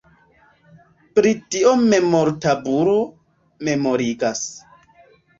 Pri tio memortabulo memorigas.